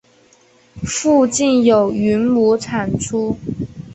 附近有云母产出。